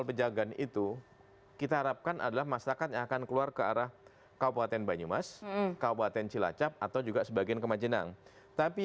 berikutnya adalah yang di kalikangkung saya sepakat